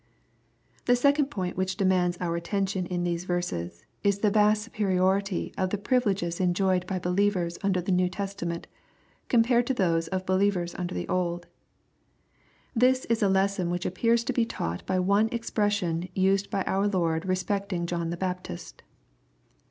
The second point which demands our attention in these verses is, the vast superiority of the privileges enjoyed by believers under the New Testament ^ compared to those of believers under the Old, This is a lesson which appears to be taught by one expression used by our Lord respect ing John the Baptist.